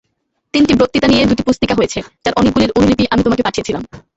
তিনটি বক্তৃতা নিয়ে দুটি পুস্তিকা হয়েছে, যার অনেকগুলির অনুলিপি আমি তোমাকে পাঠিয়েছিলাম।